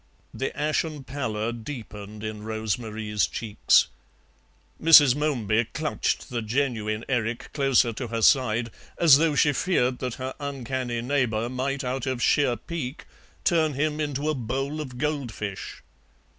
The ashen pallor deepened in Rose Marie's cheeks. Mrs. Momeby clutched the genuine Erik closer to her side, as though she feared that her uncanny neighbour might out of sheer pique turn him into a bowl of gold fish.